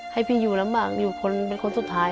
ให้พี่อยู่ลำบากอยู่คนเป็นคนสุดท้าย